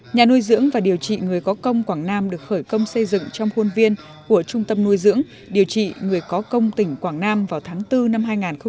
nhà nuôi dưỡng và điều trị người có công quảng nam được khởi công xây dựng trong khuôn viên của trung tâm nuôi dưỡng điều trị người có công tỉnh quảng nam vào tháng bốn năm hai nghìn một mươi chín